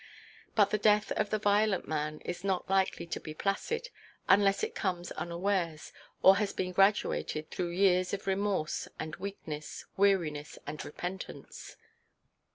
But the death of the violent man is not likely to be placid, unless it come unawares, or has been graduated through years of remorse, and weakness, weariness, and repentance.